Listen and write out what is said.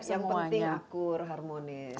yang penting akur harmonis